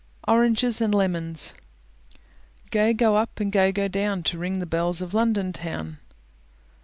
ORANGES AND LEMONS _Gay go up, and gay go down To ring the bells of London Town.